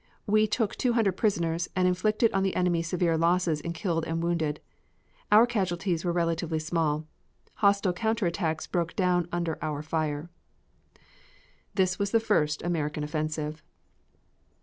We took two hundred prisoners, and inflicted on the enemy severe losses in killed and wounded. Our casualties were relatively small. Hostile counter attacks broke down under our fire." This was the first American offensive.